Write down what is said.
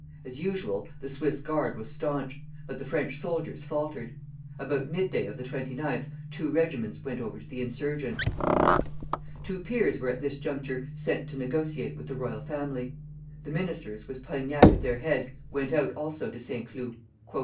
As usual, the Swiss Guard was stanch, but the French soldiers faltered. About midday of the 29th two regiments went over to the insurgents. Two peers were at this juncture sent to negotiate with the royal family. The ministers, with Polignac at their head, went out also to Saint Cloud.